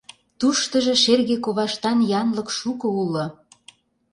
Туштыжо шерге коваштан янлык шуко уло.